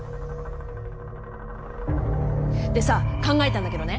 でさ考えたんだけどね